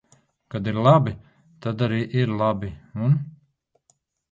Kad ir labi, tad arī ir labi, un.